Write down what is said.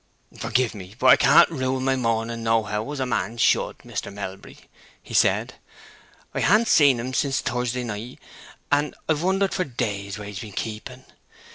"Forgive me, but I can't rule my mourning nohow as a man should, Mr. Melbury," he said. "I ha'n't seen him since Thursday se'night, and have wondered for days and days where he's been keeping.